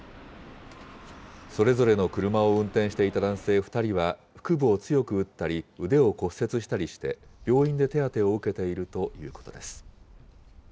それぞれの車を運転していた男性２人は、腹部を強く打ったり、腕を骨折したりして、病院で手当てを受けているということです。